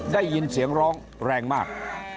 ได้ยินเสียงร้องแรงมาก